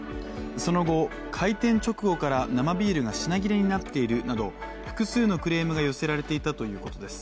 その後、開店直後から生ビールが品切れになっているなど複数のクレームが寄せられていたということです。